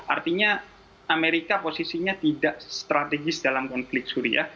artinya amerika posisinya tidak strategis dalam konflik suriah